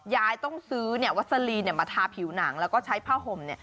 ยายต้องซื้อวัสลีมาทาผิวหนังแล้วก็ใช้ผ้าห่ม